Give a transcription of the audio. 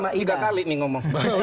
nah ini sudah tiga kali ini ngomong